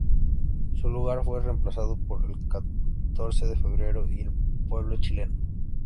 Su lugar fue reemplazado por "El Catorce de Febrero" y "El Pueblo Chileno".